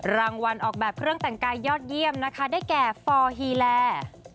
รางวัลออกแบบเครื่องแต่งกายยอดเยี่ยมนะคะได้แก่ฟอร์ฮีแลนด์